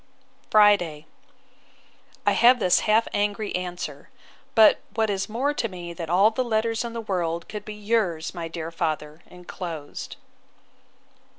Friday. I have this half angry answer; but, what is more to me than all the letters in the world could be, yours, my dear father, enclosed.